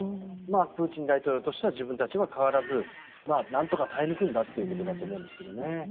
プーチン大統領としては自分たちは代わらずなんとか耐え抜くんだということだと思うんですけどね。